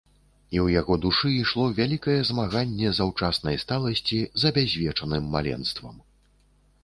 І ў яго душы ішло вялікае змаганне заўчаснай сталасці з абязвечаным маленствам.